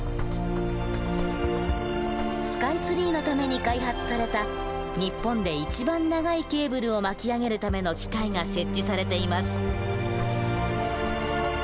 スカイツリーのために開発された日本で一番長いケーブルを巻き上げるための機械が設置されています。